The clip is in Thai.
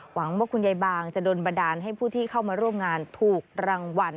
หวังว่าคุณยายบางจะโดนบันดาลให้ผู้ที่เข้ามาร่วมงานถูกรางวัล